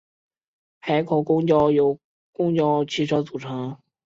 海口公交由公共汽车组成。